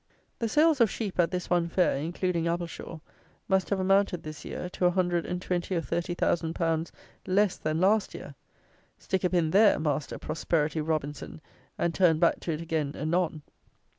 The sales of sheep, at this one fair (including Appleshaw), must have amounted, this year, to a hundred and twenty or thirty thousand pounds less than last year! Stick a pin there, master "Prosperity Robinson," and turn back to it again anon!